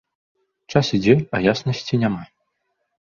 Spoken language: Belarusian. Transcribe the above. Час ідзе, а яснасці няма.